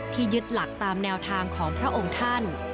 ยึดหลักตามแนวทางของพระองค์ท่าน